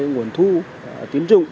nguồn thu tiến dụng